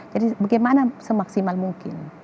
jadi bagaimana semaksimal mungkin